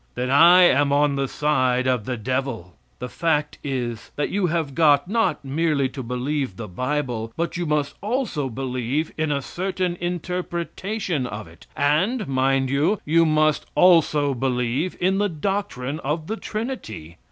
Then I am on the side of the devil. The fact is, that you have got not merely to believe the bible; but you must also believe in a certain interpretation of it, and, mind you, you must also believe in the doctrine of the trinity.